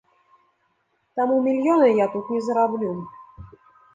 Таму мільёны я тут не зараблю.